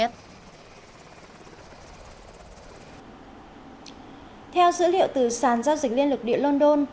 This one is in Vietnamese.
theo dữ liệu từ sàn giao dịch liên lực địa london